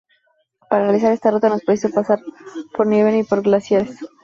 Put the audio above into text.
Para realizar esta ruta no es preciso pasar por nieve ni por glaciares.